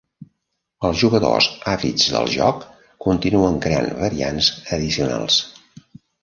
Els jugadors àvids del joc continuen creant variants addicionals.